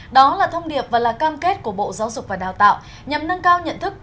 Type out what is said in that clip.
đó là thông điệp và là cam kết của bộ giáo dục và đào tạo nhằm nâng cao nhận thức